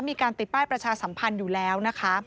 มีการติดป้ายประชาสัมพันธ์อยู่แล้วนะคะ